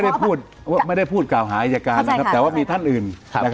แต่ผมไม่ได้พูดกล่าวหายจากการแต่ว่ามีท่านอื่น